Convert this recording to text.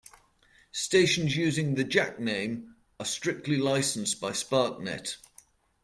Stations using the "Jack" name are very strictly licensed by SparkNet.